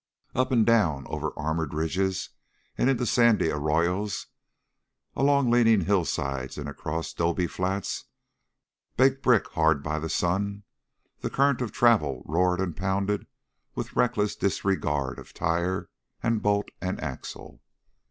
Up and down, over armored ridges and into sandy arroyos, along leaning hillsides and across 'dobe flats, baked brick hard by the sun, the current of travel roared and pounded with reckless disregard of tire and bolt and axle.